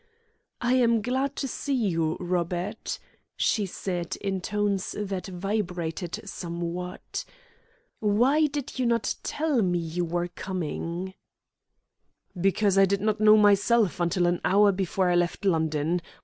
"I am glad to see you, Robert," she said in tones that vibrated somewhat. "Why did you not let me know you were coming?" "Because I did not know myself until an hour before I left London.